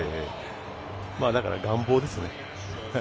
だから、願望ですね。